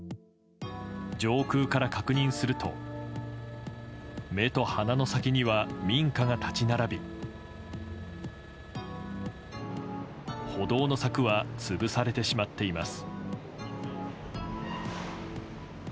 上空から確認すると目と鼻の先には民家が立ち並び歩道の柵は潰されてしまっています。